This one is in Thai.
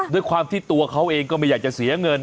ด้วยความที่ตัวเขาเองก็ไม่อยากจะเสียเงิน